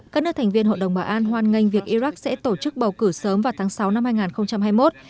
các nước thành viên hội đồng bảo an hoan nghênh việc iraq sẽ tổ chức bầu cử sớm vào tháng sáu năm hai nghìn hai mươi một